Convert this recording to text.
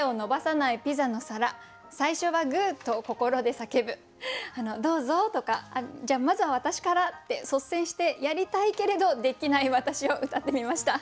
私なら「どうぞ」とか「じゃあまずは私から」って率先してやりたいけれどできない私をうたってみました。